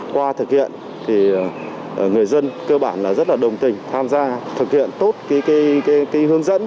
qua thực hiện thì người dân cơ bản rất là đồng tình tham gia thực hiện tốt hướng dẫn